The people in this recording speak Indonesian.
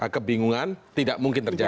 kebingungan tidak mungkin terjadi